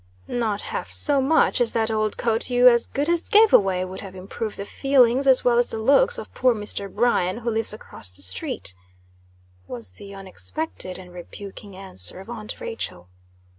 "Not half so much as that old coat you as good as gave away would have improved the feelings as well as the looks of poor Mr. Bryan, who lives across the street," was the unexpected and rebuking answer of aunt Rachel.